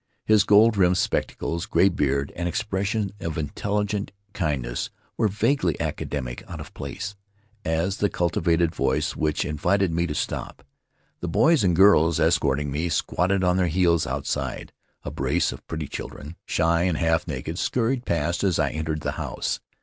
His gold rimmed spec tacles, gray beard, and expression of intelligent kindli ness were vaguely academic — out of place as the cultivated voice which invited me to stop. The boys and girls escorting me squatted on their heels outside; a brace of pretty children, shy and half naked, scurried past as I entered the house.